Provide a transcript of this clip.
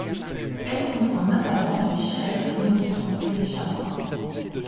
Elle comprend notamment les chèvres, les moutons et les chamois.